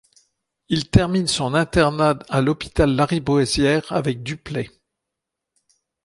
Il termine son internat à l'hôpital Lariboisière, avec Duplay.